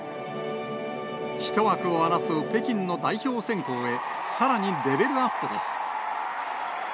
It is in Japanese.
１枠を争う北京の代表選考へ、さらにレベルアップです。